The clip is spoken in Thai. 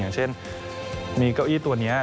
อย่างเช่นมีเก้าอี้ตัวนี้